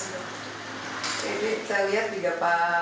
oke ini saya lihat juga pak bupatinya terlanjur olahraga ya